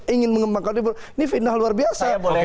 ini fitnah luar biasa